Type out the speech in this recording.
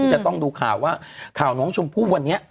จะต้องดูข่าวว่าข่าวน้องชมพู่วันนี้